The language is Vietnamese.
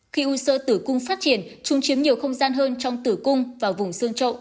khi u sơ tử cung phát triển trung chiếm nhiều không gian hơn trong tử cung vào vùng xương trộn